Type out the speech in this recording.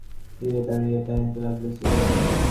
তীরে দাড়াইয়া টানিতে লাগিল সিগারেট।